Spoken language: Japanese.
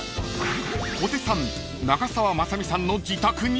［小手さん長澤まさみさんの自宅に？］